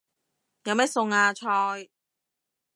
有咩餸啊？菜